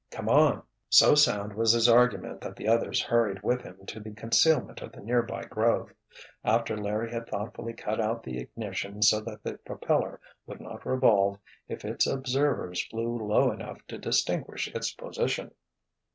Come on!" So sound was his argument that the others hurried with him to the concealment of the nearby grove, after Larry had thoughtfully cut out the ignition so that the propeller would not revolve if its observers flew low enough to distinguish its position.